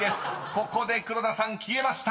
［ここで黒田さん消えました］